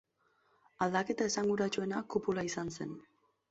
Aldaketa esanguratsuena kupula izan zen.